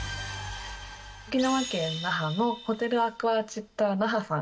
沖縄県那覇のホテルアクアチッタナハさん。